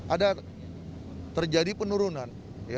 ada terjadi penurunan